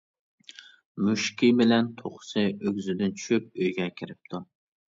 مۈشۈكى بىلەن توخۇسى ئۆگزىدىن چۈشۈپ ئۆيگە كىرىپتۇ.